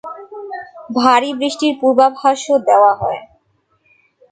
ভারী বৃষ্টির পূর্বাভাসও দেওয়া হয়।